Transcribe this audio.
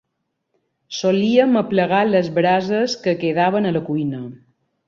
Solíem aplegar les brases que quedaven a la cuina